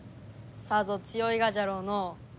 さぞ強いがじゃろうのう？